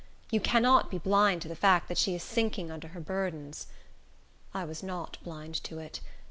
You cannot be blind to the fact that she is sinking under her burdens." I was not blind to it.